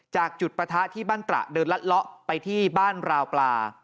จากจุดประทะที่บ้านตระเดินลัดเลาะไปที่บ้านราวปลา